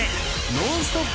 ノンストップ！